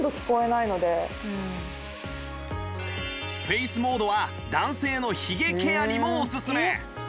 フェイスモードは男性のヒゲケアにもおすすめ